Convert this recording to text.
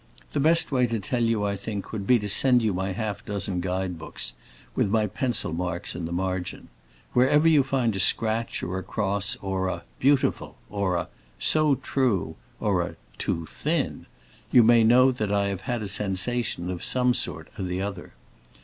The best way to tell you, I think, would be to send you my half dozen guide books, with my pencil marks in the margin. Wherever you find a scratch or a cross, or a 'Beautiful!' or a 'So true!' or a 'Too thin!' you may know that I have had a sensation of some sort or other.